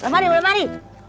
mari boleh mari